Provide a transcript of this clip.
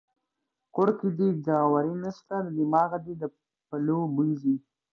کور کې دې جواري نسته د دماغه دې د پلو بوی ځي.